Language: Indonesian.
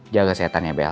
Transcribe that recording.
jaga sehatan ya bel